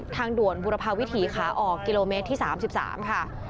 ทางด่วนบุรพาวิถีขาออกกิโลเมตรที่๓๓ค่ะ